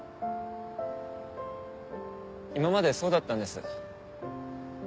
今までそうだったんです。